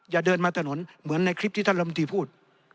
อย่าเดินมาถนนเหมือนในคลิปที่ท่านลำตีพูด